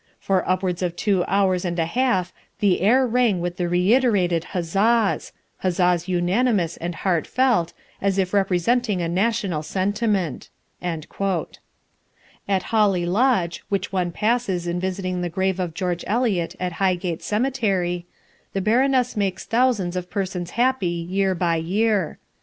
For upwards of two hours and a half the air rang with the reiterated huzzas huzzas unanimous and heart felt, as if representing a national sentiment." At Holly Lodge, which one passes in visiting the grave of George Eliot at Highgate Cemetery, the Baroness makes thousands of persons happy year by year.